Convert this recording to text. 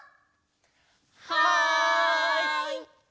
はい！